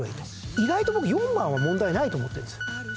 意外と僕４番は問題ないと思ってるんですよ。